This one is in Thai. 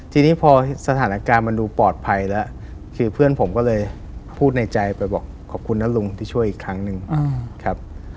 ทีนี้พอสถานการณ์มันดูปลอดภัยแล้วคือเพื่อนผมก็เลยพูดในใจไปบอกขอบคุณนะลุงที่ช่วยอีกครั้งหนึ่งครับ